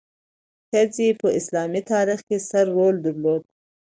ښځې په اسلامي تاریخ کې ستر رول درلود.